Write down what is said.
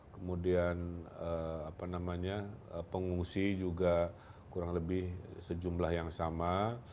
kemudian pengungsi juga kurang lebih sejumlah yang sama